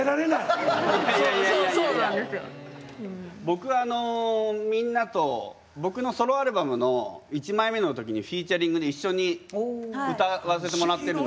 僕あのみんなと僕のソロアルバムの１枚目の時にフィーチャリングで一緒に歌わせてもらってる。